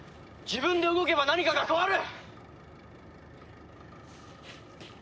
自分で動けば何かが変わる。